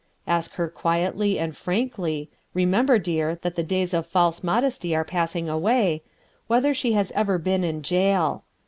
Ask her quietly and frankly remember, dear, that the days of false modesty are passing away whether she has ever been in jail.